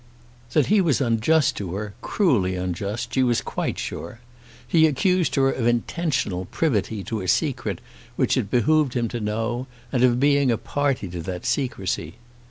That he was unjust to her, cruelly unjust, she was quite sure. He accused her of intentional privity to a secret which it behoved him to know, and of being a party to that secrecy.